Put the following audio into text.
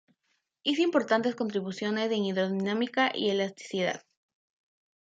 Hizo importantes contribuciones en hidrodinámica y elasticidad.